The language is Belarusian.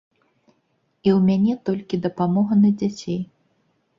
І ў мяне толькі дапамога на дзяцей.